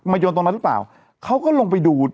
โยนตรงนั้นหรือเปล่าเขาก็ลงไปดู